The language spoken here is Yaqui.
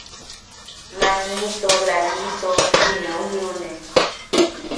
Manito Lalito ti neu jiune.